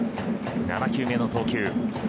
７球目の投球。